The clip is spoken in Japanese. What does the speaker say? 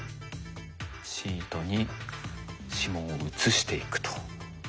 シートに指紋を移していくと。